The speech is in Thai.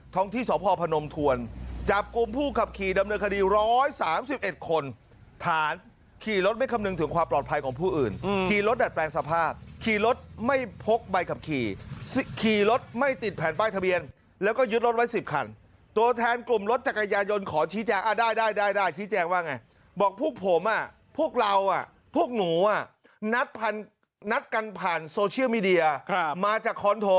ท้องที่สพพนมทวนจากกลุ่มผู้ขับขี่ดำเนินคดีร้อยสามสิบเอ็ดคนฐานขี่รถไม่คำนึงถึงความปลอดภัยของผู้อื่นอืมขี่รถดัดแปลงสภาพขี่รถไม่พกใบขับขี่ขี่รถไม่ติดแผนป้ายทะเบียนแล้วก็ยึดรถไว้สิบคันตัวแทนกลุ่มรถจักรยายนขอชี้แจงอ่ะได้ได้ได้ได้ชี้แจงว่าไงบอกพวกผมอ่ะพวกเราอ